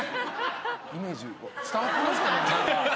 イメージ伝わってますかね？